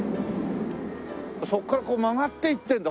そこからこう曲がっていってんだ。